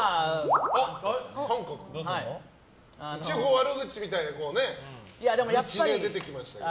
悪口みたいなので出てきましたけど。